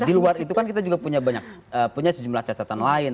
di luar itu kan kita juga punya banyak punya sejumlah catatan lain